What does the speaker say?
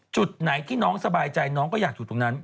จุดไหนที่น้องสบายใจน้องก็อยากอยู่ตรงนั้น